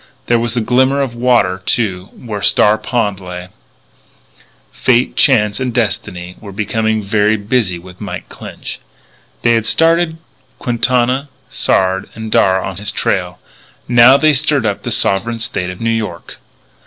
There was a glimmer of water, too, where Star Pond lay. Fate, Chance, and Destiny were becoming very busy with Mike Clinch. They had started Quintana, Sard, and Darragh on his trail. Now they stirred up the sovereign State of New York.